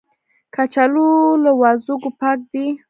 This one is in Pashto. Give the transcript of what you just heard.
کچالو له وازګو پاک دي